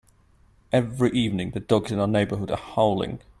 Every evening, the dogs in our neighbourhood are howling.